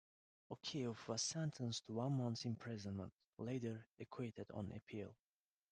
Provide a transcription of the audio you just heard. O'Keefe was sentenced to one month's imprisonment, later acquitted on appeal.